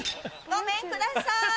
ごめんください！